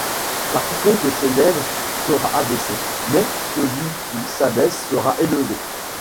Car quiconque s'élève sera abaissé, mais celui qui s'abaisse sera élevé.